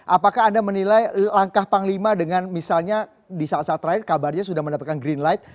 apakah anda menilai langkah panglima dengan misalnya di saat saat terakhir kabarnya sudah mendapatkan green light